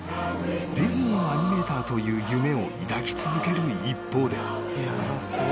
ディズニーのアニメーターという夢を抱き続ける一方で］